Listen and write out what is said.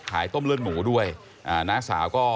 ต้มเลือดหมูด้วยน้าสาวก็